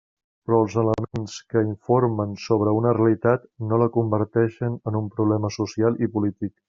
Però els elements que informen sobre una realitat no la converteixen en un problema social i polític.